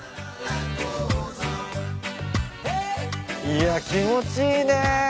いや気持ちいいね